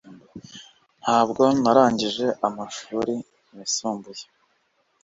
Ntabwo narangije amashuri yisumbuye